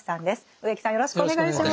植木さんよろしくお願いします。